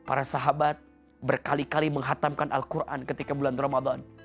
para sahabat berkali kali menghatamkan al quran ketika bulan ramadan